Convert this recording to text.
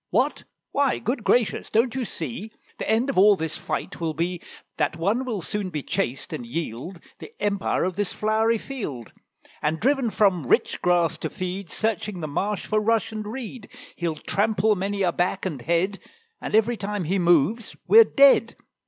"What? why, good gracious! don't you see The end of all this fight will be That one will soon be chased, and yield The empire of this flowery field; And driven from rich grass to feed, Searching the marsh for rush and reed, He'll trample many a back and head, And every time he moves we're dead.